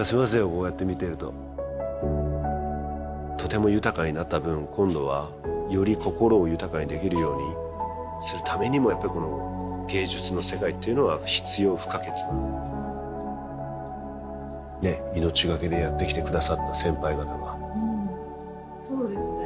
こうやって見てるととても豊かになった分今度はより心を豊かにできるようにするためにもやっぱりこの芸術の世界っていうのは必要不可欠なねえ命がけでやってきてくださった先輩方が・うんそうですね